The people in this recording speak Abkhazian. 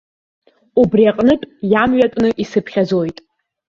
Убри аҟнытә иамҩатәны исыԥхьаӡоит.